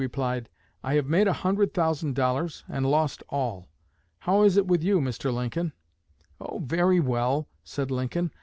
replied, 'I have made a hundred thousand dollars, and lost all. How is it with you, Mr. Lincoln?' 'Oh, very well,' said Lincoln.